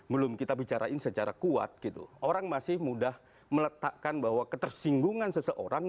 belum kita bicarain secara kuat gitu orang masih mudah meletakkan bahwa ketersinggungan seseorang